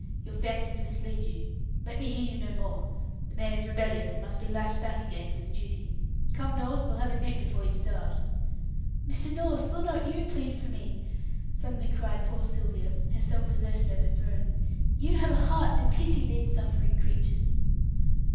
"Your fancies mislead you. Let me hear you no more. The man is rebellious, and must be lashed back again to his duty. Come, North, we'll have a nip before you start." "Mr. North, will not you plead for me?" suddenly cried poor Sylvia, her self possession overthrown. "You have a heart to pity these suffering creatures."